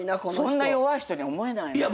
そんな弱い人には思えないね。